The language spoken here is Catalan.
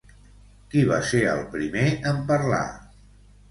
Qui va ser el primer en parlar?